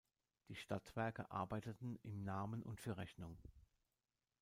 Die Stadtwerke arbeiteten „im Namen und für Rechnung“.